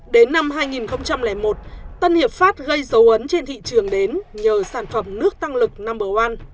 đến năm hai nghìn một tân hiệp pháp gây dấu ấn trên thị trường đến nhờ sản phẩm nước tăng lực nomber oan